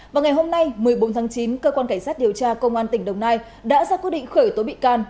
vào ngày hôm nay một mươi bốn tháng chín cơ quan cảnh sát điều tra công an tỉnh đồng nai đã ra quyết định khởi tố bị can